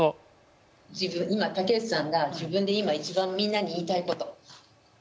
今竹内さんが自分で今一番みんなに言いたいこと。